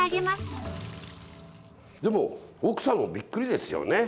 でも奥さんもビックリですよね。